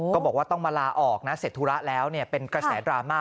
ก็บอกว่าต้องมาลาออกนะเสร็จธุระแล้วเป็นกระแสดราม่า